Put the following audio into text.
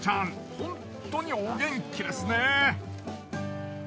ホントにお元気ですね。